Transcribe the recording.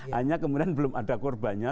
hanya kemudian belum ada korbannya